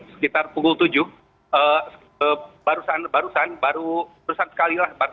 sekitar pukul tujuh barusan sekali